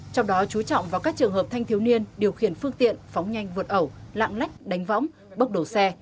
trong đó chú trọng vào các trường hợp thanh thiếu niên điều khiển phương tiện phóng nhanh vượt ẩu lạng lách đánh võng bốc đổ xe